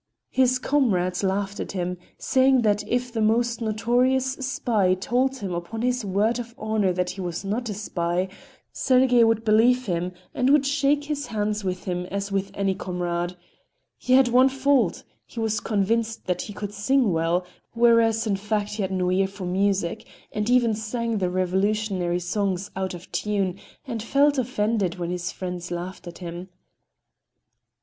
His comrades laughed at him, saying that if the most notorious spy told him upon his word of honor that he was not a spy, Sergey would believe him and would shake hands with him as with any comrade. He had one fault,—he was convinced that he could sing well, whereas in fact he had no ear for music and even sang the revolutionary songs out of tune, and felt offended when his friends laughed at him.